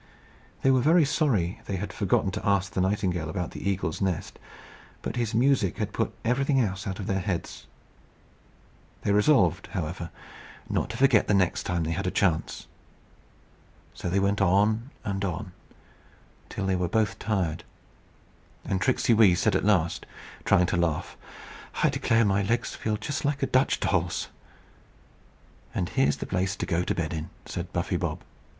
They were very sorry they had forgotten to ask the nightingale about the eagle's nest, but his music had put everything else out of their heads. They resolved, however, not to forget the next time they had a chance. So they went on and on, till they were both tired, and Tricksey Wee said at last, trying to laugh, "I declare my legs feel just like a Dutch doll's." "Then here's the place to go to bed in," said Buffy Bob.